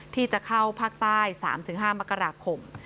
ที่จะเข้าภาคใต้๓๕มกราคม